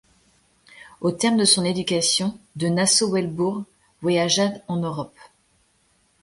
Au terme de son éducation, de Nassau-Weilbourg voyagea en Europe.